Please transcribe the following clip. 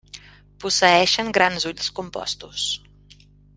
Posseeixen grans ulls compostos.